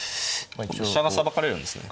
飛車がさばかれるんですよね。